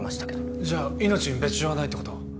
じゃあ命に別状はないってこと？